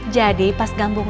jadi pas gambungnya